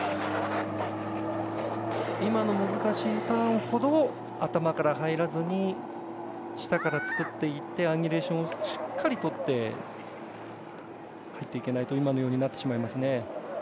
今の難しいターンほど頭から入らずに下から作っていってアンジュレーションをしっかり入っていけないと今のようになってしまいますね。